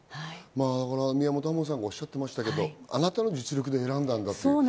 宮本亜門さんがおっしゃってましたけど、あなたの実力で選んだんだ。